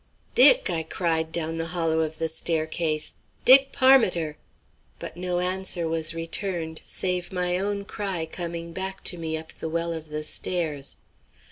"Dick," I cried down the hollow of the staircase, "Dick Parmiter," but no answer was returned, save my own cry coming back to me up the well of the stairs.